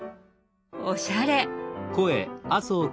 おしゃれ！